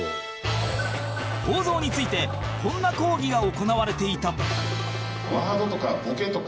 構造についてこんな講義が行われていた